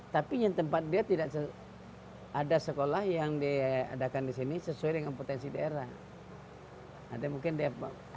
tapi yang tempat dia tidak ada sekolah yang diadakan di sini sesuai dengan potensi daerah ada mungkin depok